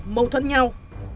mâu thuẫn nhau